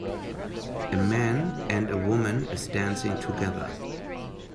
A man and a woman is dancing together